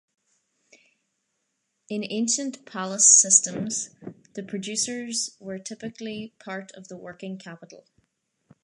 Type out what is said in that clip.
In ancient palace systems, the producers were typically part of the working capital.